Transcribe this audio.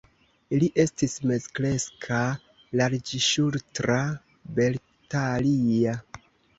Li estis mezkreska, larĝŝultra, beltalia.